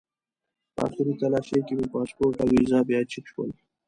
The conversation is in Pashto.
په آخري تالاشۍ کې مې پاسپورټ او ویزه بیا چک شول.